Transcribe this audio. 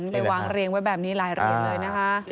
ไปวางเรียงไว้แบบนี้หลายรีดเลยนะคะ